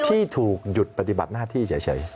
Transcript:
ที่ถูกหยุดปฏิบัติหน้าที่เฉย